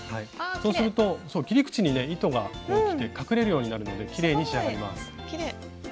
そうすると切り口に糸がきて隠れるようになるのできれいに仕上がります。